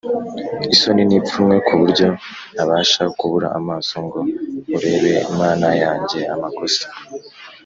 Isoni n ipfunwe ku buryo ntabasha kubura amaso ngo nkurebe mana yanjye amakosa